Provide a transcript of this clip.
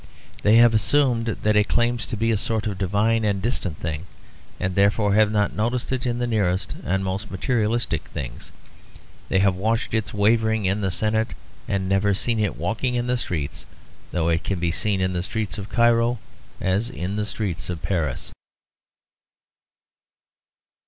They have assumed that it claims to be a sort of divine and distant thing, and therefore have not noticed it in the nearest and most materialistic things. They have watched its wavering in the senate and never seen it walking in the streets; though it can be seen in the streets of Cairo as in the streets of Paris.